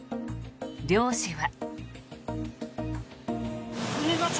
漁師は。